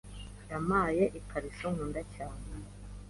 Yampaye ikariso nkunda cyane.